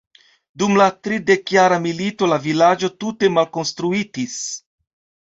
Dum la Tridekjara milito la vilaĝo tute malkonstruitis.